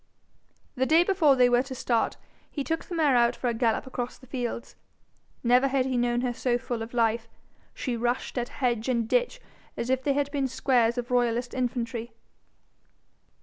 The day before they were to start he took the mare out for a gallop across the fields. Never had he known her so full of life. She rushed at hedge and ditch as if they had been squares of royalist infantry.